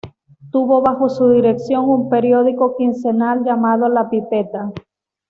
Tuvo bajo su dirección un periódico quincenal llamado 'La Pipeta!